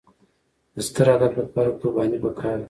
د ستر هدف لپاره قرباني پکار ده.